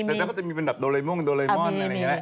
แต่ก็จะมีเป็นแบบโดเรม่อนอะไรอย่างนี้นะ